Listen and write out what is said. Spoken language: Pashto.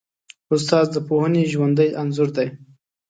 استاد د پوهنې ژوندی انځور دی.